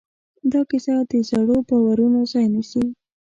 دا کیسه د زړو باورونو ځای نيسي.